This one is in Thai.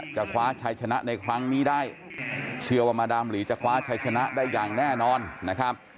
คว้าชัยชนะในครั้งนี้ได้เชื่อว่ามาดามหลีจะคว้าชัยชนะได้อย่างแน่นอนนะครับ